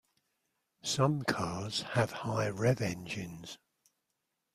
Some cars have high rev engines.